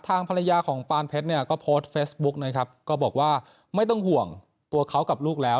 ทางภรรยาของปานเพชรเนี่ยก็โพสต์เฟซบุ๊กนะครับก็บอกว่าไม่ต้องห่วงตัวเขากับลูกแล้ว